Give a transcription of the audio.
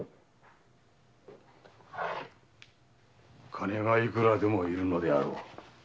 金がいくらでも要るのであろう。